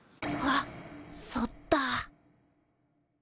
あっそっだ。